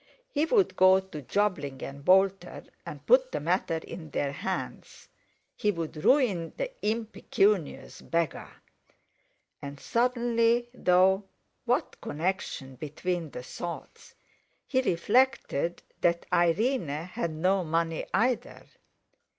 He would go to Jobling and Boulter and put the matter in their hands. He would ruin the impecunious beggar! And suddenly—though what connection between the thoughts?—he reflected that Irene had no money either.